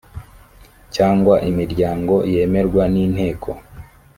cyangwa imiryango yemerwa n inteko